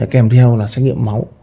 kèm theo là xét nghiệm máu